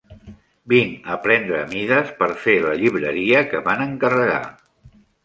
Vinc a prendre mides per fer la llibreria que van encarregar.